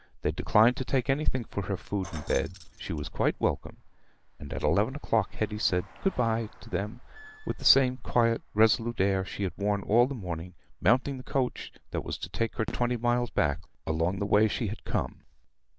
They declined to take anything for her food and bed: she was quite welcome. And at eleven o'clock Hetty said "Good bye" to them with the same quiet, resolute air she had worn all the morning, mounting the coach that was to take her twenty miles back along the way she had come.